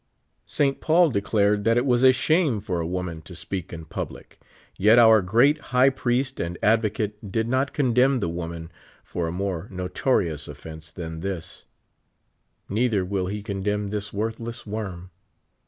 St. Paul declared that it was a shame for a woman to speak in public, yet our great High Priest and Advocate did not condem the woman for a more no torious offense than this ; neither will he condemn this worthless worm.